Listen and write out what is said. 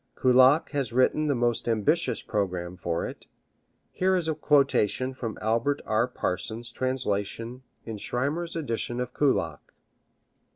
Kullak has written the most ambitious programme for it. Here is a quotation from Albert R. Parsons' translation in Schirmer's edition of Kullak.